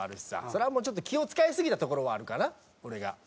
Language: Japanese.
それはちょっと気を使いすぎたところはあるかな俺が。